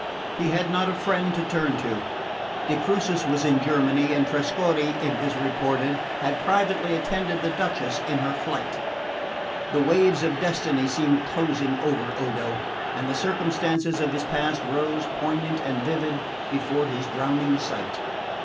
He had not a friend to turn to. De Crucis was in Germany, and Trescorre, it was reported, had privately attended the Duchess in her flight. The waves of destiny seemed closing over Odo, and the circumstances of his past rose, poignant and vivid, before his drowning sight.